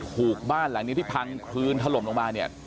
ถูกบ้านหลังนี้ที่พังคลืนถล่มลงมาเนี่ย